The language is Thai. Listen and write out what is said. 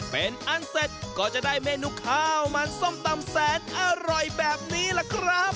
เป็นอันเสร็จก็จะได้เมนูข้าวมันส้มตำแสนอร่อยแบบนี้ล่ะครับ